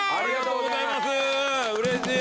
うれしい！